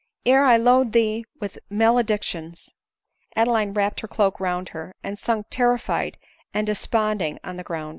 ere I load thee with maledictions." Adeline wrapped her cloak round her, and sunk terri fied and desponding on the ground.